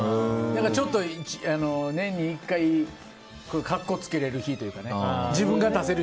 ちょっと年に１回格好つけれる日というかね。